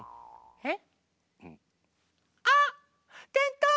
えっ！